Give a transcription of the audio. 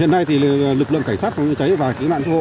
hiện nay lực lượng cảnh sát phòng trái trợ cháy và cứu nạn cứu hộ